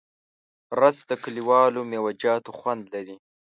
رس د کلیوالو میوهجاتو خوند لري